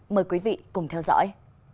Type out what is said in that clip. mời quý vị cùng theo dõi